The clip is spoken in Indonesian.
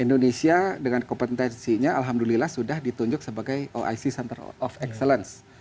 indonesia dengan kompetensinya alhamdulillah sudah ditunjuk sebagai oic center of excellence